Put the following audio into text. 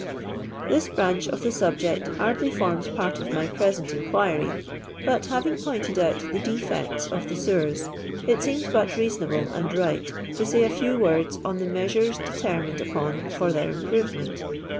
This branch of the subject hardly forms part of my present inquiry, but, having pointed out the defects of the sewers, it seetns but reasonable and right to say a few words on the measures deter mined upon for their improToment.